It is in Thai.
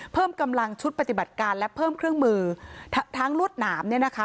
เพิ่มกำลังชุดปฏิบัติการและเพิ่มเครื่องมือทั้งลวดหนามเนี่ยนะคะ